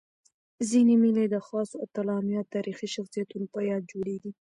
ځيني مېلې د خاصو اتلانو یا تاریخي شخصیتونو په یاد جوړيږي.